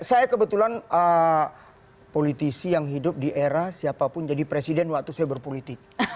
saya kebetulan politisi yang hidup di era siapapun jadi presiden waktu saya berpolitik